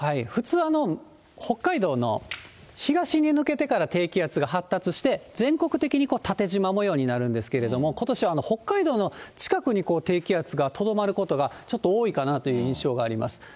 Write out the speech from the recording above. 普通、北海道の東に抜けてから低気圧が発達して、全国的に縦じま模様になるんですけれども、ことしは北海道の近くに低気圧がとどまることがちょっと多いかなという印象があります。